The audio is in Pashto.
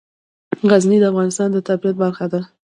غزني د افغانستان د طبیعت برخه ده.